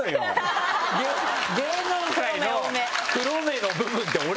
芸能界の黒目の部分って俺なのよ。